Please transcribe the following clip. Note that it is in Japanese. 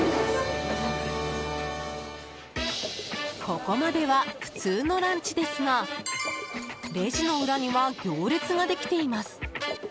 ここまでは普通のランチですがレジの裏には行列ができています。